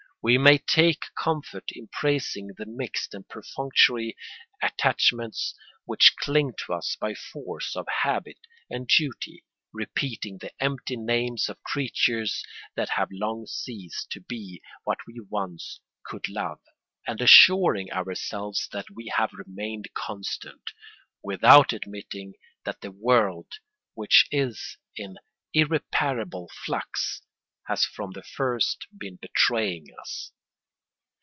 We may take comfort in praising the mixed and perfunctory attachments which cling to us by force of habit and duty, repeating the empty names of creatures that have long ceased to be what we once could love, and assuring ourselves that we have remained constant, without admitting that the world, which is in irreparable flux, has from the first been betraying us.